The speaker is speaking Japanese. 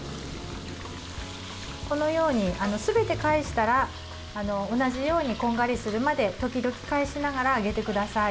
このようにすべて返したら同じようにこんがりするまで時々返しながら揚げてください。